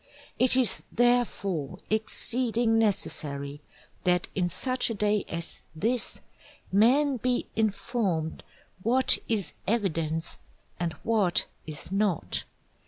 It is therefore exceeding necessary that in such a day as this, men be informed what is Evidence and what is not.